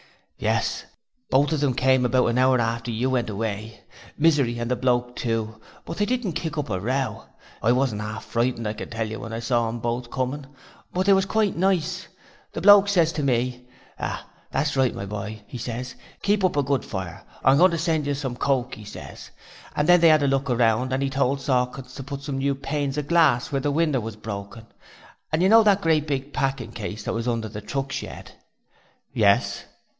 'Yes: they both of 'em came about an hour after you went away Misery and the Bloke too but they didn't kick up a row. I wasn't arf frightened, I can tell you, when I saw 'em both coming, but they was quite nice. The Bloke ses to me, "Ah, that's right, my boy," 'e ses. "Keep up a good fire. I'm going to send you some coke," 'e ses. And then they 'ad a look round and 'e told Sawkins to put some new panes of glass where the winder was broken, and you know that great big packing case what was under the truck shed?' 'Yes.'